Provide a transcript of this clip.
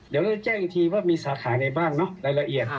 เดี๋ยวเราจะแจ้งอีกทีว่ามีสาขาไหนบ้างเนอะรายละเอียด